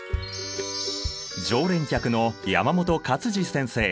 常連客の山本勝治先生。